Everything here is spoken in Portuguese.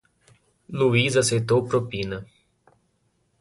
Luís aceitou propina.